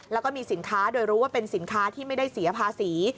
แล้วก็มีสินค้าโดยรู้ว่าเป็นสินค้าที่ไม่ได้เสียภาษี